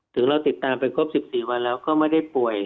ถึงเราติดตามไปครบ๑๔วันแล้วก็ไม่ได้ป่วย